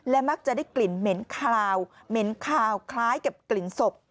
และมักจะได้กลิ่นเหม็นคาวเหม็นคาวคล้ายกับกลิ่นศพ